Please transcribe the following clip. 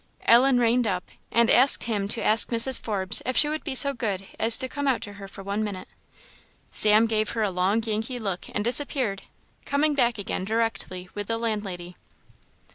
Ellen reigned up, and asked him to ask Mrs. Forbes if she would be so good as to come out to her for one minute. Sam gave her a long Yankee look and disappeared, coming back again directly with the landlady.